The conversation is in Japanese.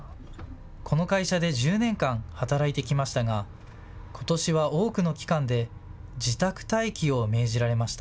この会社で１０年間働いてきましたがことしは多くの期間で自宅待機を命じられました。